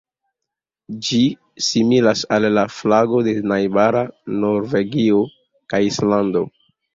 Ĝi similas al la flago de najbara Norvegio kaj Islando.